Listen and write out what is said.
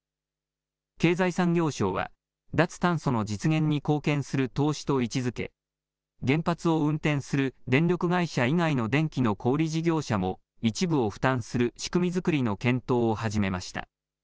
経済産業省は、脱炭素の実現に貢献する投資と位置づけ、原発を運転する電力会社以外の電気の小売り事業者も一部を負担する仕組み作りの検討を始めました。